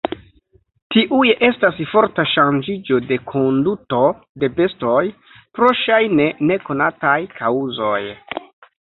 Tiuj estas forta ŝanĝiĝo de konduto de bestoj, pro ŝajne nekonataj kaŭzoj.